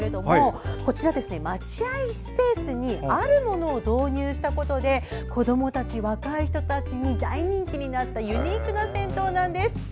こちら、待合スペースにあるものを導入したことで子どもたち、若い人たちに大人気になったユニークな銭湯なんです。